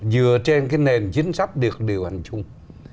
dựa trên cái nền chính sách được điều hành chung